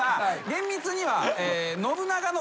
厳密には。